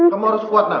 kamu harus kuat nak